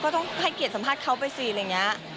ต้องให้เกียรติสัมภาษณ์เขาไปสิอะไรอย่างนี้